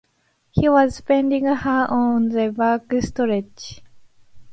He was speeding her on the back stretch.